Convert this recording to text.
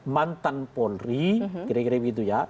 mantan polri kira kira begitu ya